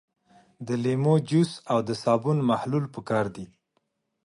د لیمو جوس او د صابون محلول پکار دي.